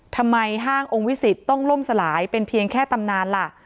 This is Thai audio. ห้างองค์วิสิตต้องล่มสลายเป็นเพียงแค่ตำนานล่ะ